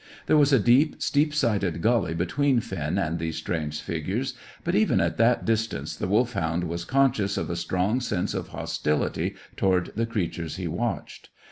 There was a deep, steep sided gully between Finn and these strange figures, but even at that distance the Wolfhound was conscious of a strong sense of hostility toward the creatures he watched.